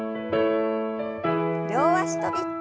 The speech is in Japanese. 両脚跳び。